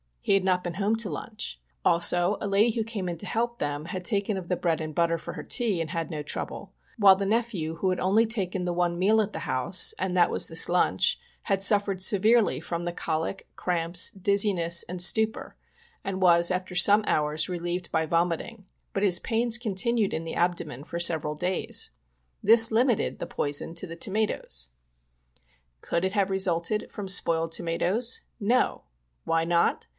He had not been home to lunch ; also a lady who came in to help them had taken of the bread and butter for her tea and had no trouble, while the nephew, who had only taken one meal at the house, and that was this lunch, had suffered severely from the colic, cramps, dizziness and stupor, and was, after some hours, relieved by vomiting, but his pains continued in the abdomen for several days. This limited the poison to the tomatoes. Could it have resulted from spoiled tomatoes ? No ! why not